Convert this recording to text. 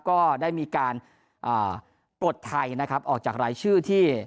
ก็ได้มีการปลดไทยนะครับออกจากรายชื่อที่